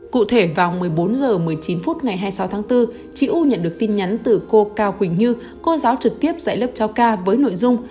cụ thể vào một mươi bốn h một mươi chín phút ngày hai mươi sáu tháng bốn chị u nhận được tin nhắn từ cô cao quỳnh như cô giáo trực tiếp dạy lớp cháu ca với nội dung